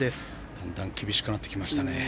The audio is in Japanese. だんだん厳しくなってきましたね。